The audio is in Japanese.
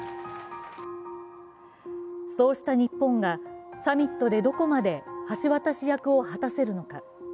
そうした日本がサミットでどこまで橋渡し役を果たせるのか。